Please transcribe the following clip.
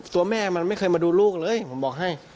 ตัวแม่มันไม่เคยมาดูลูกเลยผมบอกให้